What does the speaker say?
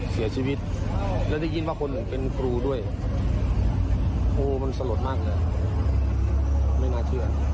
เสียชีวิตแล้วได้ยินว่าคนหนึ่งเป็นครูด้วยโอ้มันสลดมากเลยไม่น่าเชื่อ